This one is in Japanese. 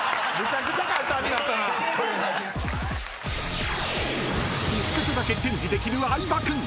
［１カ所だけチェンジできる相葉君］